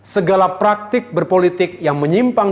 segala praktik berpolitik yang menyimpang